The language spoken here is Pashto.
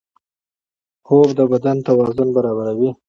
خوب د بدن توازن برابروي